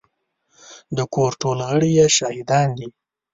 د کور ټول غړي يې شاهدان دي.